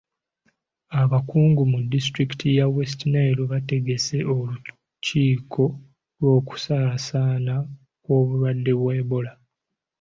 Abakungu mu disitulikiti ya West Nile bategese olukiiko lw'okusaasaana kw'obulwadde bwa Ebola.